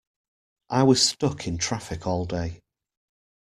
I was stuck in traffic all day!